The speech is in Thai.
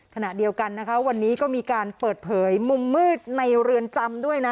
ขณะเดียวกันนะคะวันนี้ก็มีการเปิดเผยมุมมืดในเรือนจำด้วยนะ